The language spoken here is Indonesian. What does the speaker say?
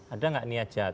ada nggak niat jahat